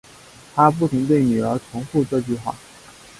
她不停对女儿重复这句话